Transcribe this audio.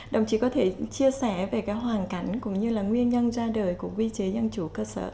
đồng chí có thể chia sẻ về cái hoàn cảnh cũng như là nguyên nhân ra đời của quy chế dân chủ cơ sở